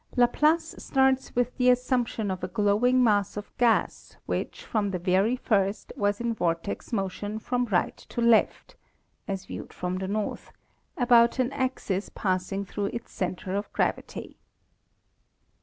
Laplace starts with the assumption of a glowing mass of gas which from the very first was in vortex motion from right to left (as viewed from the north) about an axis passing through its center of gravity.